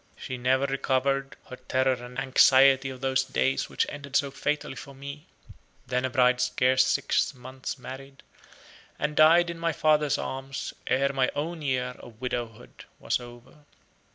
She never recovered her terror and anxiety of those days which ended so fatally for me, then a bride scarce six months married, and died in my father's arms ere my own year of widowhood was over.